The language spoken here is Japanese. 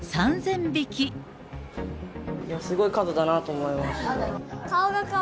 すごい数だなと思います。